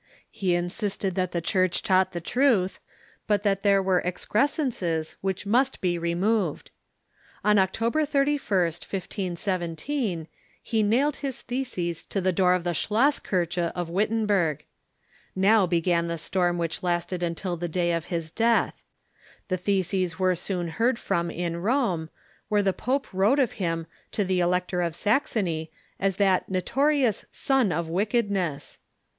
He insisted that the Church taught the truth, but that there were excrescences which must be re moved. On October 31st, 1517, he nailed his Theses to the door of the Schlosskirche of Wittenberg. Now began the storm which lasted until the day of his death. The Theses were soon heard from in Rome, where the pope wrote of him to the Elector of Saxony as that notorious " son of wicked ness."